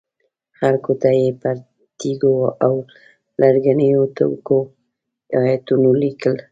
خلکو ته یې پر تیږو او لرګینو توکو ایتونه لیکل.